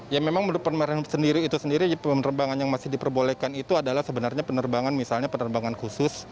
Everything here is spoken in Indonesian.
ya memang menurut permainan sendiri itu sendiri penerbangan yang masih diperbolehkan itu adalah sebenarnya penerbangan misalnya penerbangan khusus